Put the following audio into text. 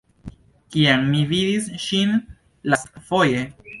Kiam mi vidis ŝin lastfoje?